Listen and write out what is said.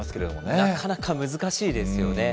なかなか難しいですよね。